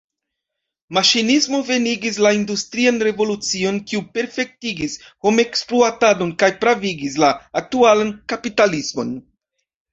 Maŝinismo venigis la industrian revolucion, kiu perfektigis homekspluatadon kaj pravigis la aktualan kapitalismon.